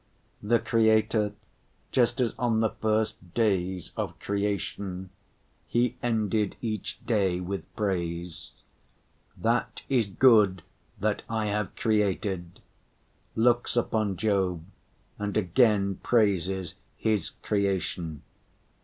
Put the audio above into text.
The Creator, just as on the first days of creation He ended each day with praise: "That is good that I have created," looks upon Job and again praises His creation.